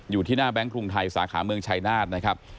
อยู่ที่หน้าแบงค์กรุงไทยสาขาเมืองชายนาฏนะครับ